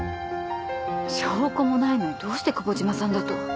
証拠もないのにどうして久保島さんだと。